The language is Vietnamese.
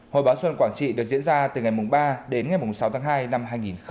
hội báo xuân quảng trị được diễn ra từ ngày ba đến ngày sáu tháng hai năm hai nghìn hai mươi